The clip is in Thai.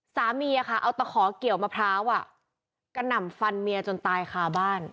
สามีเอาตะขอเกี่ยวมะพร้าวกระหน่ำฟันเมียจนตายคาบ้าน